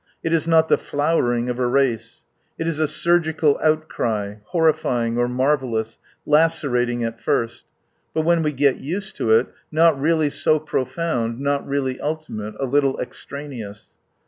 It is not the flowering of a race. It is a surgical outcry, horrifying, or marvellous, lacerating at first ; but when we get used to it, not really so pro found, not really ultimate, a little extraneous.